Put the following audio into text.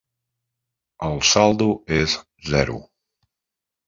El saldo és zero.